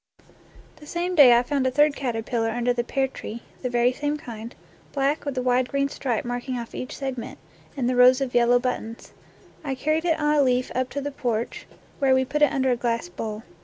The same day I found a third caterpillar under the pear tree, the very same kind, black with a wide green stripe marking off each segment, and the rows of yellow buttons. I carried it on a leaf up to the porch, where wo put it under a glass bowl.